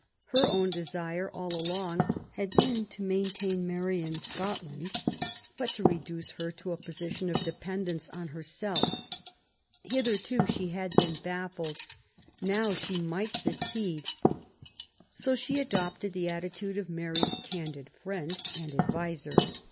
Her own desire all along had been to maintain Mary in Scotland, but to reduce her to a position of de pendence on herself. Hitherto she had been baffled i now she might succeed. So she adojrted the attitude of Mary's candid friend and adviser.